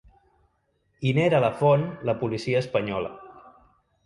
I n’era la font la policia espanyola.